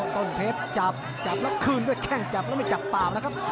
ต้นเพชรจับจับแล้วคืนด้วยแข้งจับแล้วไม่จับเปล่าแล้วครับ